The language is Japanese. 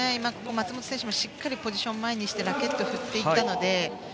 松本選手もしっかりポジションを前にしてラケットを振っていったので。